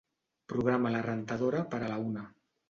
Programa la rentadora per a la una.